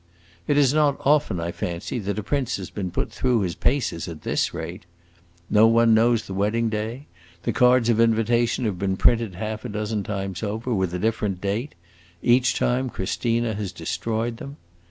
It is not often, I fancy, that a prince has been put through his paces at this rate. No one knows the wedding day; the cards of invitation have been printed half a dozen times over, with a different date; each time Christina has destroyed them.